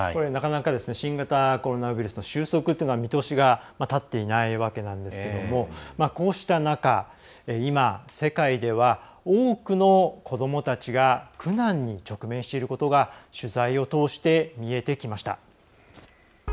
新型コロナウイルスの収束というのは見通しが立っていないわけなんですがこうした中、今、世界では多くの子どもたちが苦難に直面していることが取材を通して見えてきました。